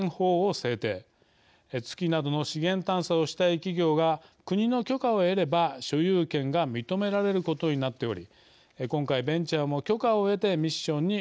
月などの資源探査をしたい企業が国の許可を得れば所有権が認められることになっており今回ベンチャーも許可を得てミッションに挑みました。